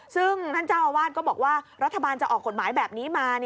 ซึ่งท่านเจ้าอาวาสก็บอกว่ารัฐบาลจะออกกฎหมายแบบนี้มา